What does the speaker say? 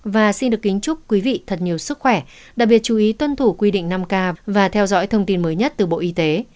và xin được kính chúc quý vị thật nhiều sức khỏe đặc biệt chú ý tuân thủ quy định năm k và theo dõi thông tin mới nhất từ bộ y tế